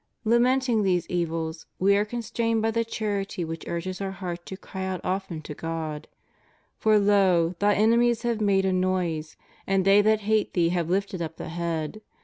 Lamenting these evils. We are constrained by the charity which urges Our heart to cry out often to God: "For lo, Thy enemies have made a noise; and they that hate Thee have lifted up the head.